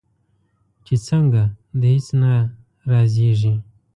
چې څنګه؟ د هیڅ نه رازیږې